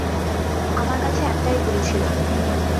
আমার কাছে একটাই গুলি ছিল।